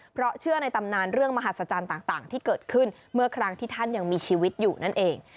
เพราะเชื่อในตำนานเรื่องมหัศจรรย์ต่างที่เกิดขึ้นเมื่อครั้งที่ท่านยังมีชีวิตอยู่นั่นเอง